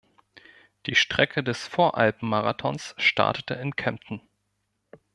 Die Strecke des Voralpen-Marathons startete in Kempten.